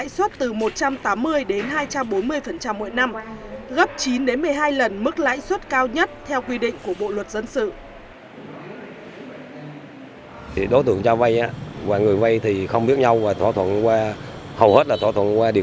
xin chào và hẹn gặp lại